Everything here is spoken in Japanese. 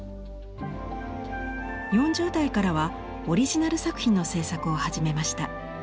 ４０代からはオリジナル作品の制作を始めました。